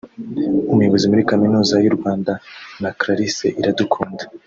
Umuyobozi muri Kaminuza y’u Rwanda na Clarisse Iradukunda